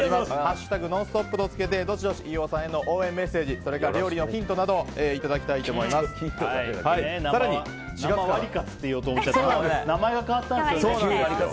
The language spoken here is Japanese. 「♯ノンストップ」とつけてどしどし飯尾さんへの応援メッセージ、それから料理のヒントなどをワリカツって言おうとしたけど名前が変わったんですね。